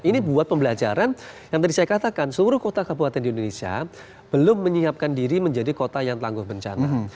ini buat pembelajaran yang tadi saya katakan seluruh kota kabupaten di indonesia belum menyiapkan diri menjadi kota yang tangguh bencana